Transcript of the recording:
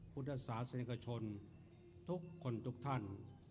พุทธศาสนิกชนทุกคนทุกท่าน